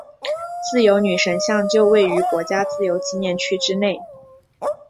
自由女神像就位于国家自由纪念区之内。